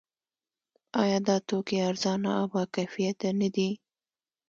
آیا دا توکي ارزانه او باکیفیته نه دي؟